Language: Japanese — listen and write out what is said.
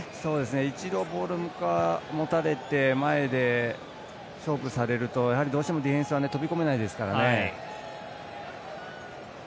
一度ボールを持たれて前で勝負されるとどうしてもディフェンスは飛び込めないですからね。